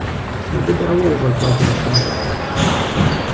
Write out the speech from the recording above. Мыбы дауэ укъэкӀуа зэрыхъуар?